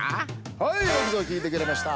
はいよくぞきいてくれました。